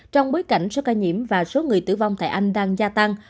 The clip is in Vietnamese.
trong bối cảnh số ca nhiễm và số người tử vong tại anh đang gia tăng